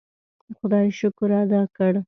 خدای شکر ادا کړ.